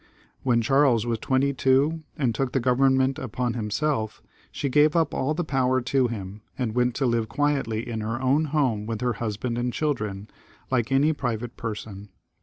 When Charles was twenty two, and took the government upon himself, she gave up all the power to him, and went to live quietly in her own home with her husband and children, like any private person.